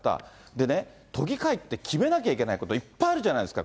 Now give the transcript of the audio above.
でね、都議会って決めなきゃいけないこといっぱいあるじゃないですか。